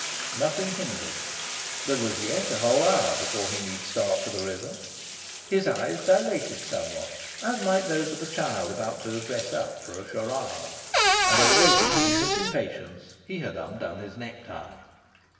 Nothing hindered. There was yet a whole hour before he need start for the river. His eyes dilated, somewhat as might those of a child about to "dress up" for a charade; and already, in his impatience, he had undone his neck tie.